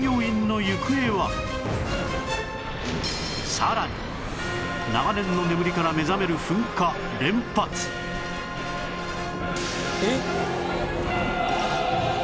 さらに長年の眠りから目覚める噴火連発えっ！？